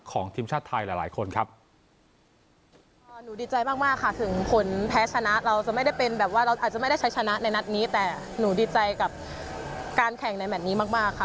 ของทีมชาติไทยหลายหลายคนครับหนูดีใจมากมากค่ะ